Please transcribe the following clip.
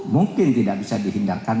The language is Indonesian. mungkin tidak bisa dihindarkan